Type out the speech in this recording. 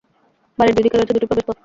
বাড়ির দুই দিকে রয়েছে দুটি প্রবেশপথ।